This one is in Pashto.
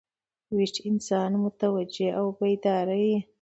ویښ انسان متوجه او بیداره يي.